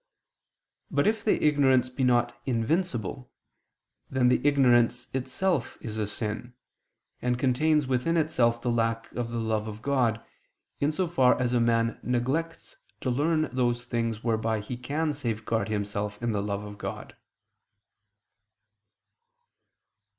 But if the ignorance be not invincible, then the ignorance itself is a sin, and contains within itself the lack of the love of God, in so far as a man neglects to learn those things whereby he can safeguard himself in the love of God.